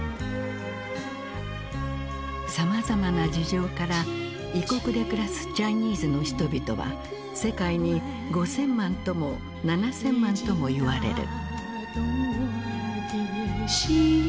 さまざまな事情から異国で暮らすチャイニーズの人々は世界に５，０００万とも７，０００万ともいわれる。